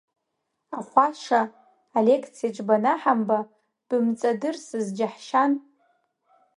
Ахәаша алекциаҿ банаҳамба, бымҵадырсыз џьаҳшьан.